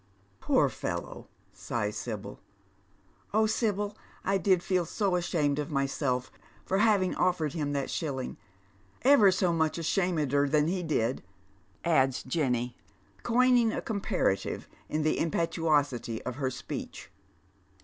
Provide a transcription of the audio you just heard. "" Poor fellow," sighs Sibyl. "Oh, Sibyl, I did feel so ashamed of myself for having ofPored him that shilling, — ever so much ashameder than he did," adds Jenny, coining a comparative in the impetuosity of her speech.